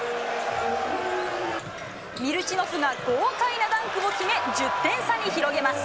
ミルチノフが豪快なダンクを決め、１０点差に広げます。